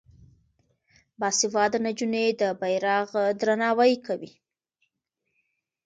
باسواده نجونې د بیرغ درناوی کوي.